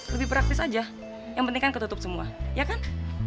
lebih praktis aja yang penting kan ketutup semua ya kan